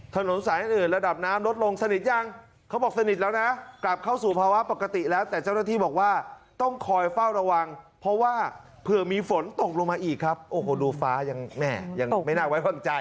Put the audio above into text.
ถนนสายอื่นระดับน้ำลดลงสนิทยังเขาบอกสนิทแล้วนะกลับเข้าสู่ภาวะปกติแล้ว